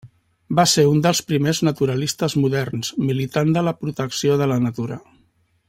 Va ser un dels primers naturalistes moderns, militant de la protecció de la natura.